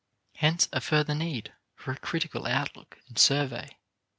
Hence a further need for a critical outlook and survey.